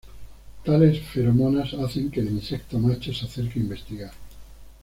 Tales feromonas hacen que el insecto macho se acerque a investigar.